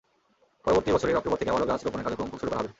পরবর্তী বছরের অক্টোবর থেকে আবারও গাছ রোপণের কার্যক্রম শুরু করা হবে।